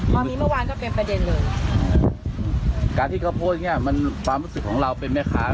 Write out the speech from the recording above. พอมีเมื่อวานก็เป็นประเด็นเลยการที่เขาโพสต์เนี้ยมันความรู้สึกของเราเป็นแม่ค้า